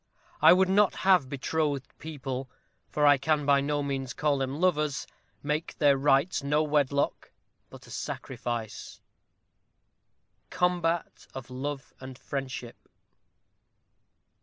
I would not have betrothed people for I can by no means call them lovers make Their rites no wedlock, but a sacrifice. _Combat of Love and Friendship.